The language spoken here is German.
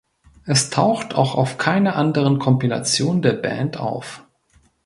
Es taucht auch auf keiner anderen Kompilation der Band auf.